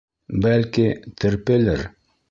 Бәлки, терпелер?..